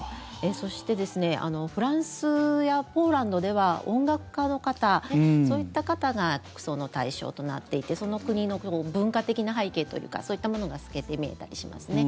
そしてフランスやポーランドでは音楽家の方そういった方が国葬の対象となっていてその国の文化的な背景というかそういったものが透けて見えたりしますね。